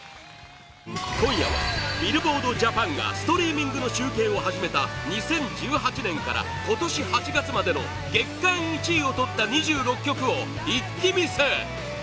今夜はビルボードジャパンがストリーミングの集計を始めた２０１８年から今年８月までの月間１位をとった２６曲を一気見せ！